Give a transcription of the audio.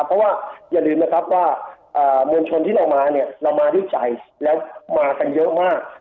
เพราะว่าอย่าลืมนะครับว่ามวลชนที่เรามาเนี่ยเรามาด้วยใจแล้วมากันเยอะมาก